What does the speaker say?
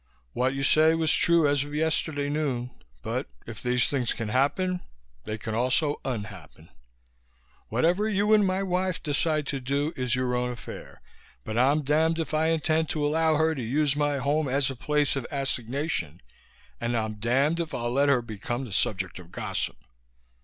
"What you say was true as of yesterday noon but if these things can happen, they can also un happen. Whatever you and my wife decide to do is your own affair but I'm damned if I intend to allow her to use my home as a place of assignation and I'm damned if I'll let her become the subject of gossip.